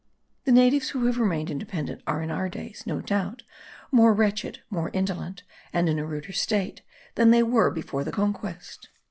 The natives who have remained independent are in our days, no doubt, more wretched, more indolent, and in a ruder state, than they were before the conquest.